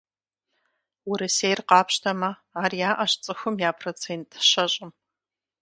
Урысейр къапщтэмэ, ар яӏэщ цӏыхум я процент щэщӏым.